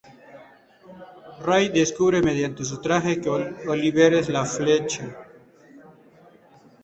Ray descubre mediante su traje que Oliver es la Flecha.